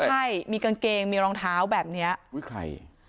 ใช่มีกางเกงมีรองเท้าแบบนี้